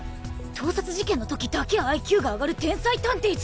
盗撮事件のときだけＩＱが上がる天才探偵じゃん。